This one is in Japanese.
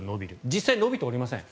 実際は伸びておりません。